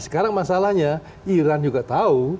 sekarang masalahnya iran juga tahu